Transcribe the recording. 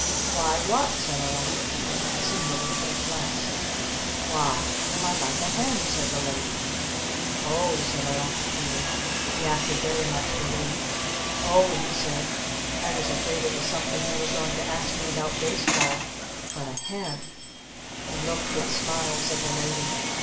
"Why what?" said our Uncle Peter. He seemed a little perplexed. "Why am I like a Hen?" said the Lady. "O h," said our Uncle Peter. He acted very much relieved. "O h," he said. "I was afraid it was something you were going to ask me about Base Ball. But a Hen ?" He looked with smiles at the Lady.